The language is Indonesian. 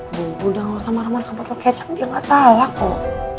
ibu udah sama roman kepotol kecap dia gak salah kok